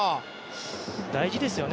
大事ですよね